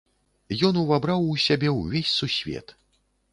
Ён увабраў у сябе ўвесь сусвет.